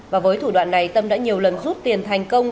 và với thủ đoạn này tâm đã nhiều lần rút tiền thành công